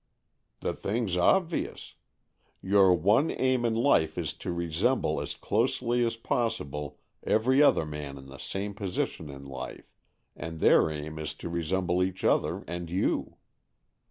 ^" "The thing's obvious. Your one aim in life is to resemble as closely as possible every other man in the same position in life, and their aim is to resemble each other and you.